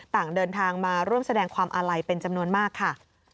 ต่างเดินทางมาร่วมแสดงความอาลัยเป็นจำนวนมากค่ะ